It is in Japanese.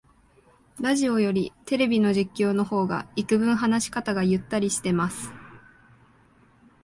ラジオよりテレビの実況の方がいくぶん話し方がゆったりしてます